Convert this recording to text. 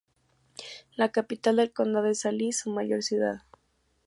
La capital del condado es Alice, su mayor ciudad.